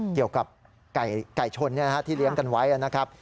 เกี่ยวกับไก่ชนที่เลี้ยงกันไว้นะครับ